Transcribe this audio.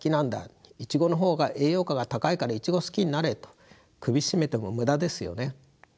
イチゴの方が栄養価が高いからイチゴ好きになれと首絞めても無駄ですよね。